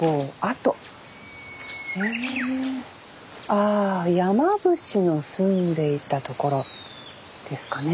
ああ山伏の住んでいた所ですかね。